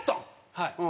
はい。